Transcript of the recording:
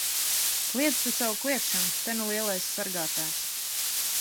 Kliedz tu tavu kliegšanu! Te nu lielais sargātājs!